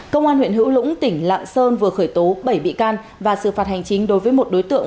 công an huyện hữu lũng tỉnh lạng sơn vừa khởi tố bảy bị can và xử phạt hành chính đối với một đối tượng